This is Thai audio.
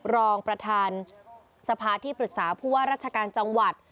รองประธานสภาที่ปรึกษาผู้ว่าราชการจังหวัด